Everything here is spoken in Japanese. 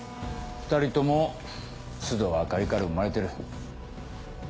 ２人とも須藤あかりから生まれてる。